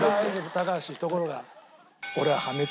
高橋ところが。